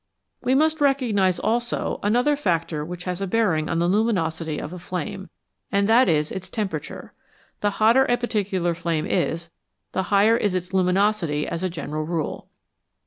We must recognise also another factor which has a bearing on the luminosity of a flame, and that is its temperature ; the hotter a particular flame is, the higher is its luminosity as a general rule.